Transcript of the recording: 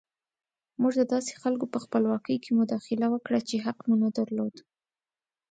موږ د داسې خلکو په خپلواکۍ کې مداخله وکړه چې حق مو نه درلود.